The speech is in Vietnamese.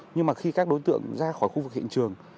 nhưng mà khi các đối tượng ra khỏi khu vực hiện trường